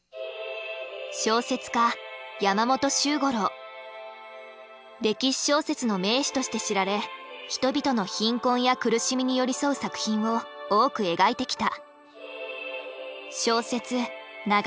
小説家歴史小説の名手として知られ人々の貧困や苦しみに寄り添う作品を多く描いてきた。